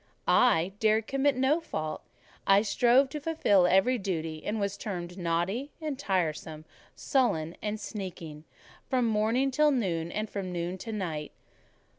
I dared commit no fault: I strove to fulfil every duty; and I was termed naughty and tiresome, sullen and sneaking, from morning to noon, and from noon to night.